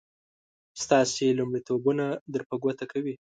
ستاسې لومړيتوبونه در په ګوته کوي.